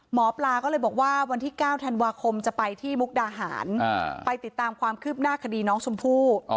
หมอปลาก็เลยบอกว่าวันที่๙ธันวาคมจะไปที่มุกดาหารไปติดตามความคืบหน้าคดีน้องชมพู่